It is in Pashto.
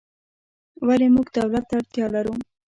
ولې موږ دولت ته اړتیا لرو؟